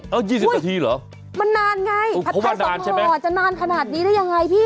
เอา๒๐นาทีเหรอมันนานไงผัดไทย๒ห่อจะนานขนาดนี้ได้ยังไงพี่